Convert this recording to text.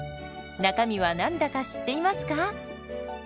中身は何だか知っていますか？